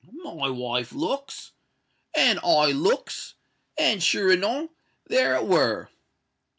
My wife looks—and I looks—and sure enow there it were.